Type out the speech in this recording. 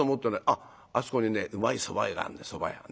あっあそこにねうまいそば屋があるんだそば屋がね。